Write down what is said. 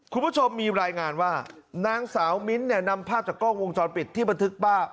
คุณผู้ชมมีรายงานว่านางสาวมิ้นท์เนี่ยนำภาพจากกล้องวงจรปิดที่บันทึกป้า